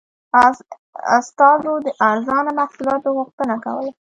استازو د ارزانه محصولاتو غوښتنه کوله.